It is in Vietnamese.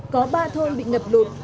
có ba thôn bị ngập lụt